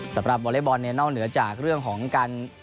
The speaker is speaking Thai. วอเล็กบอลเนี่ยนอกเหนือจากเรื่องของการ